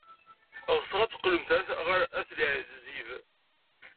Ɣseɣ ad teqqlemt ɣer At Leɛzib.